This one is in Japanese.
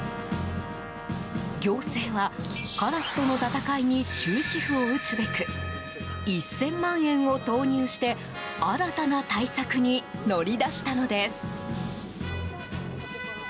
行政は、カラスとの戦いに終止符を打つべく１０００万円を投入して新たな対策に乗り出したのです。